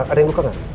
ada yang luka gak